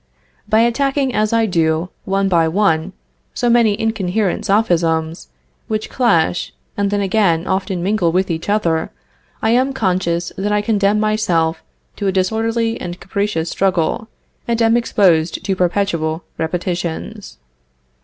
By attacking as I do, one by one, so many incoherent Sophisms, which clash, and then again often mingle with each other, I am conscious that I condemn myself to a disorderly and capricious struggle, and am exposed to perpetual repetitions.